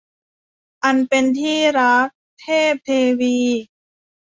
อันเป็นที่รัก - เทพเทวี